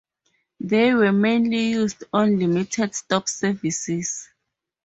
They were mainly used on limited-stop services.